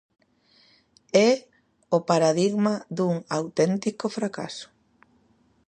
É o paradigma dun auténtico fracaso.